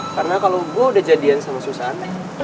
karena kalo gue udah jadian sama susan